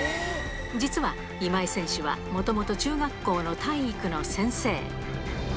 実は、今井選手はもともと中学校の体育の先生。